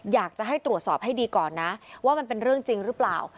อยากจะให้ตรวจสอบให้ดีก่อนนะว่ามันเป็นเรื่องจริงหรือเปล่า